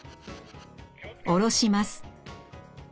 下ろします。